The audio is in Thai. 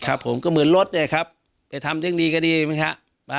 ผมก็เหมือนรถเนี่ยครับไปทำเรื่องดีก็ดีมั้งฮะ